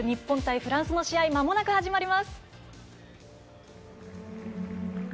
フランスの試合まもなく始まります。